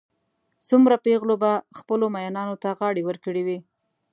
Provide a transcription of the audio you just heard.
څومره پېغلو به خپلو مئینانو ته غاړې ورکړې وي.